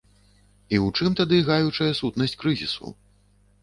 І ў чым тады гаючая сутнасць крызісу?